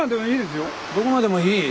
どこまでもいい？